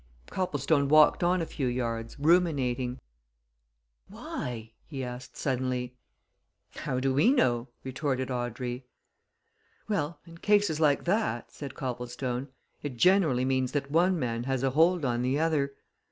Copplestone walked on a few yards, ruminating. "Why!" he asked suddenly. "How do we know?" retorted Audrey. "Well, in cases like that," said Copplestone, "it generally means that one man has a hold on the other.